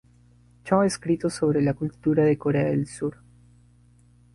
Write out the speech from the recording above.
Cho ha escrito sobre la cultura de Corea del Sur.